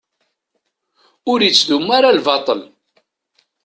Ur ittdum ara lbaṭel.